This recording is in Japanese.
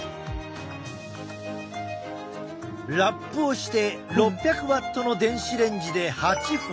ラップをして６００ワットの電子レンジで８分。